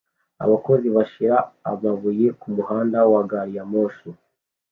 Abakozi bashira amabuye kumuhanda wa gari ya moshi